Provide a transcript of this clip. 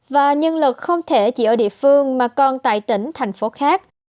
và nhân lực không thể chỉ ở địa phương mà còn tại tỉnh thành phố khác